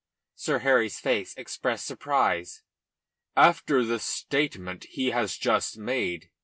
Sir Harry's face expressed surprise. "After the statement he has just made?"